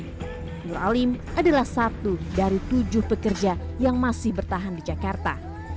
nur alim adalah satu dari tujuh pekerja yang masih bertahan di jakarta